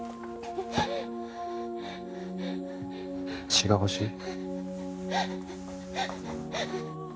血が欲しい？